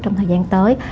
trong thời gian tới